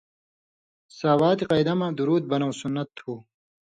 ساواتیۡ قَیدہ مہ درُود بنؤں سُنّت تھُو۔